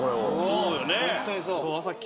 そうよね。